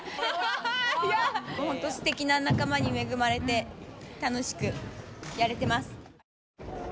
すてきな仲間に恵まれて楽しくやれてます。